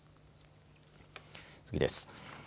次です。